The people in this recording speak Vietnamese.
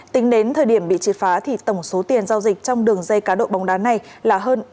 tính đến thời điểm bị triệt phá thì tổng số tiền giao dịch trong đường dây cá độ bóng đá này là hơn ba trăm linh tỷ đồng